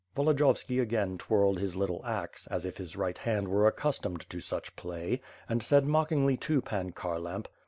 Volodiyovski again twirled hia little axe, as if his right liand were accustomed to such play, and said mockingly to Pan Kharlamp.